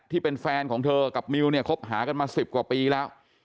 ที่เป็นแฟนของเธอกับมิวเนี่ยคบหากันมา๑๐กว่าปีแล้ว